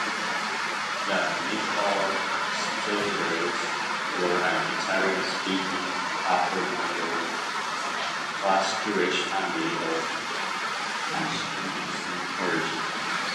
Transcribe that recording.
The Michelstaedters were an Italian-speaking upper middle class Jewish family of Ashkenazi origin.